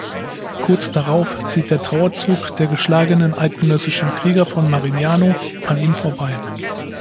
Kurz darauf zieht der Trauerzug der geschlagenen eidgenössischen Krieger von Marignano an ihm vorbei.